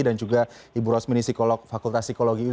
dan juga ibu rosmini fakultas psikologi